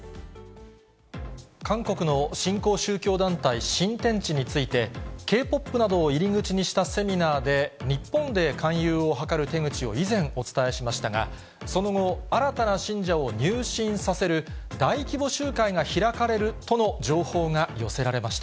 韓国の新興宗教団体、新天地について、Ｋ−ＰＯＰなどを入り口にしたセミナーで、日本で勧誘を図る手口を以前、お伝えしましたが、その後、新たな信者を入信させる大規模集会が開かれるとの情報が寄せられました。